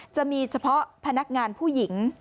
จะมีเฉพาะพนักงานผู้หญิง